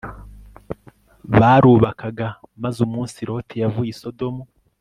barubakaga maze umunsi Loti yavuye i Sodomu